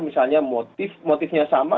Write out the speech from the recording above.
misalnya motifnya sama